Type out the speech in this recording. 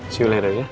see you later ya